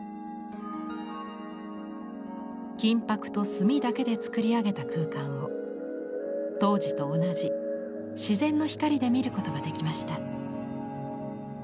金箔と墨だけで作り上げた空間を当時と同じ自然の光で見ることができました。